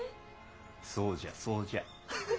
そうじゃそうじゃ。